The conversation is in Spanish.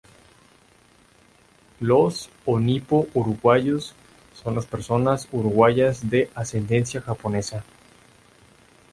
Los o nipo-uruguayos son las personas uruguayas de ascendencia japonesa.